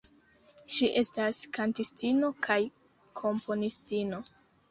Ŝi estas kantistino kaj komponistino.